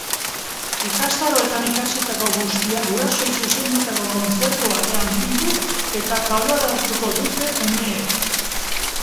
Ikastaroetan ikasitako guztia gurasoei zuzendutako kontzertu batean bildu eta taularatuko dute umeek.